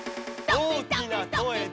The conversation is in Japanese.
大きな声で！